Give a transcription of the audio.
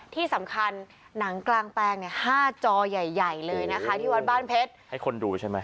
ที่สำหรับนางกลางแปลงเนี้ยห้าจอใหญ่ใหญ่เลยนะคะที่วัดบ้านเพชร